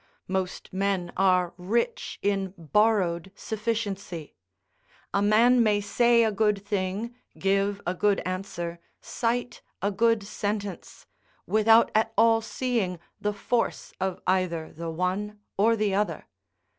Most men are rich in borrowed sufficiency: a man may say a good thing, give a good answer, cite a good sentence, without at all seeing the force of either the one or the other.